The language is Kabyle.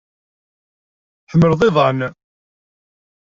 Tḥemmleḍ iḍan?